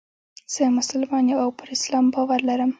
زه مسلمان یم او پر اسلام باور لرم.